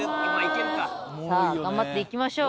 さぁ頑張っていきましょう